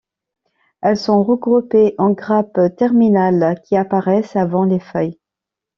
Elles sont regroupées en grappes terminales qui apparaissent avant les feuilles.